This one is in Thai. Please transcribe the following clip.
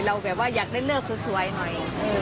เราแบบว่าอยากได้เลิกสวยหน่อย